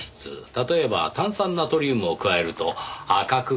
例えば炭酸ナトリウムを加えると赤く変わるんですよ。